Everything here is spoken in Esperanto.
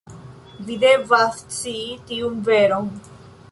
Vi devas scii tiun veron.